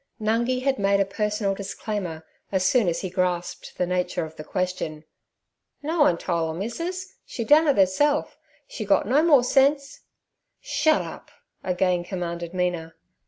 Nungi had made a personal disclaimer as soon as he grasped the nature of the question. 'No one tole 'er, missus; she done it 'erself. She's got no more sense—' 'Shut up!' again commanded Mina.